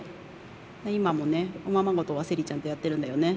今もねおままごとはセリちゃんとやってるんだよね。